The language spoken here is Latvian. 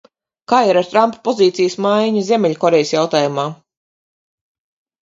Kā ir ar Trampa pozīcijas maiņu Ziemeļkorejas jautājumā?